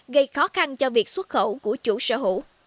gây khó khăn cho việc xuất khẩu của chủ sở hữu